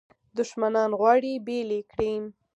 دښمنان غواړي بیل یې کړي.